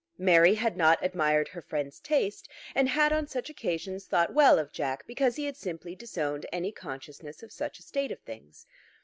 Mary had not admired her friend's taste, and had on such occasions thought well of Jack because he had simply disowned any consciousness of such a state of things.